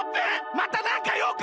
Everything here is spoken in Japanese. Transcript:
またなんかようか？